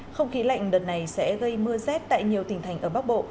không khí lạnh đợt này sẽ gây mưa rét tại nhiều tỉnh thành ở bắc bộ